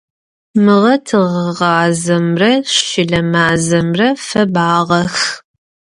Мыгъэ тыгъэгъазэмрэ щылэ мазэмрэ фэбагъэх.